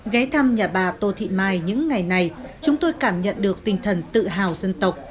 ghé thăm nhà bà tô thị mai những ngày này chúng tôi cảm nhận được tinh thần tự hào dân tộc